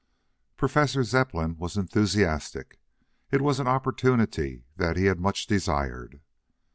Professor Zepplin was enthusiastic. It was an opportunity that he had much desired.